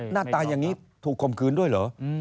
หน้าตาอย่างนี้ถูกคมคืนด้วยเหรอ